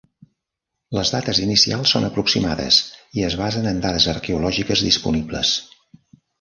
Les dates inicials són aproximades i es basen en dades arqueològiques disponibles.